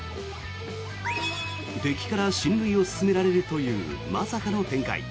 敵から進塁を勧められるというまさかの展開。